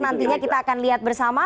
nantinya kita akan lihat bersama